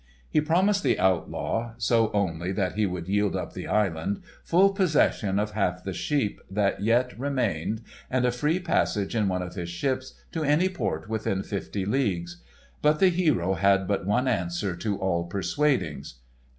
He promised the Outlaw (so only that he would yield up the island) full possession of half the sheep that yet remained and a free passage in one of his ships to any port within fifty leagues. But the hero had but one answer to all persuadings.